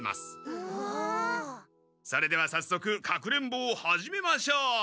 それではさっそく隠れんぼを始めましょう！